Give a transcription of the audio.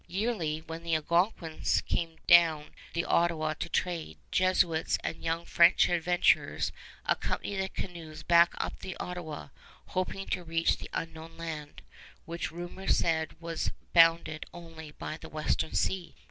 Yearly, when the Algonquins came down the Ottawa to trade, Jesuits and young French adventurers accompanied the canoes back up the Ottawa, hoping to reach the Unknown Land, which rumor said was bounded only by the Western Sea.